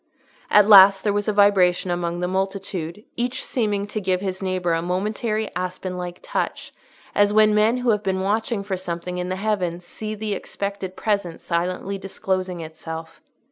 At last there was a vibration among the multitude, each seeming to give his neighbour a momentary aspen like touch, as when men who have been watching for something in the heavens see the expected presence silently disclosing itself.